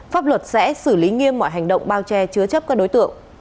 pháp luật sẽ xử lý nghiêm mọi hành động bao che chứa chấp các đối tượng